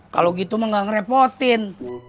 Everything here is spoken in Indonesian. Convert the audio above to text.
kalau gitu mah gak ngerepotin